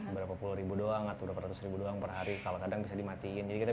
berapa puluh ribu doang atau berapa ratus ribu doang per hari kalau kadang bisa dimatiin jadi kita